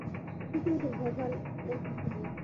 শিকারীদের ভয় পাওয়ার ওর কিছু নেই।